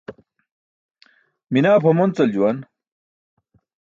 Minaa pʰamoncal juwan.